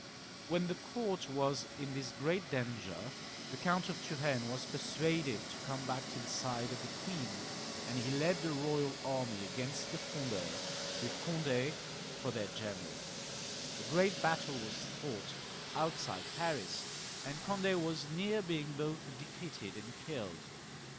When the court was in this great danger the Count of Turenne was persuaded to come back to the side of the queen, and he led the royal army against the Frondeurs, with Cond^ for their general A great battle was fought outside Paris, and Cond^ was near being both defeated and killed.